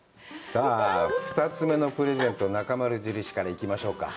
さあ、２つ目のプレゼント、こちらから行きましょうか。